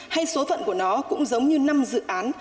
hay số phận của nó cũng giống như năm dự án